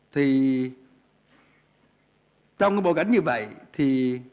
thì trong cái bộ cảnh như vậy thì